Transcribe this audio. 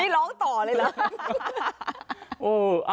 นี่ร้องต่อเลยล่ะ